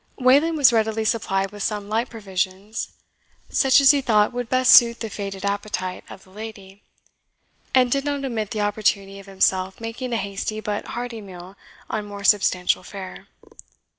Wayland was readily supplied with some light provisions, such as he thought would best suit the faded appetite of the lady, and did not omit the opportunity of himself making a hasty but hearty meal on more substantial fare.